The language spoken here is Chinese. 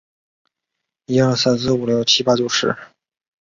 始祖单弓兽与其他早期蜥形纲动物的外表类似。